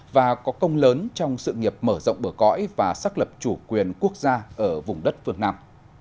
và có công lớn trong sự nghiệp mở rộng bờ cõi và xác lập chủ quyền quốc gia ở vùng đất phương nam